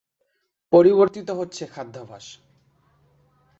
পরিবর্তিত হচ্ছে খাদ্যাভ্যাস।